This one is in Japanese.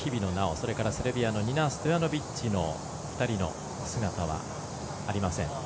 それからセルビアのニナ・ストヤノビッチの２人の姿はありません。